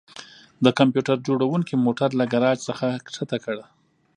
د کمپیوټر جوړونکي موټر له ګراج څخه ښکته کړ